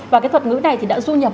và cái thuật ngữ này thì đã du nhập